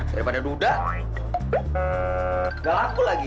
daripada duda gak laku lagi